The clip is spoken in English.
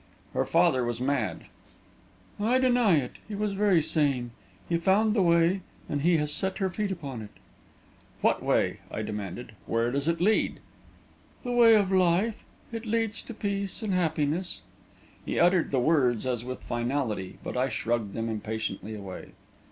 "Her father was mad." "I deny it. He was very sane. He found the Way, and he has set her feet upon it." "What way?" I demanded. "Where does it lead?" "The Way of life. It leads to peace and happiness." He uttered the words as with finality; but I shrugged them impatiently away.